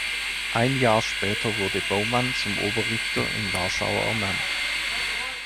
Ein Jahr später wurde Baumann zum Oberrichter in Warschau ernannt.